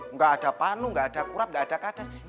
enggak ada panu enggak ada kurap enggak ada kadas